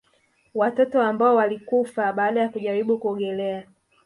Watoto ambao walikufa baada ya kujaribu kuogelea